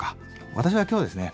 私は今日ですね